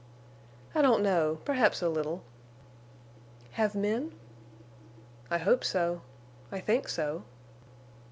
"I don't know—perhaps a little." "Have men?" "I hope so—I think so."